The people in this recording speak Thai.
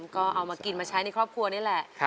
ก็เอามากินมาใช้ในครอบครัวนี่แหละ